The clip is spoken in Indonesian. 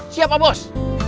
siap pak bos